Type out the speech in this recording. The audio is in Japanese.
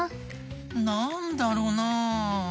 なんだろうな？